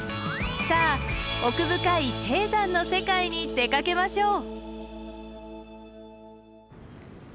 さあ奥深い低山の世界に出かけましょう。